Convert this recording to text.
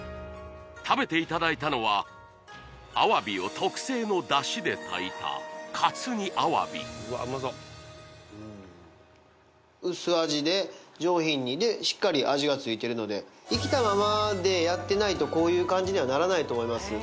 食べていただいたのはアワビを特製のだしで炊いた活煮アワビうーん薄味で上品にでしっかり味がついてるので生きたままでやってないとこういう感じにはならないと思います